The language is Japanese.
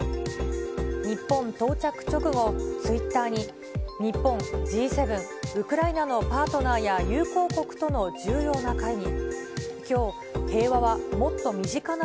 日本到着直後、ツイッターに、日本・Ｇ７・ウクライナのパートナーや友好国との重要な会議。